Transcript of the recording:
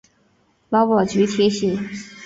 劳保局提醒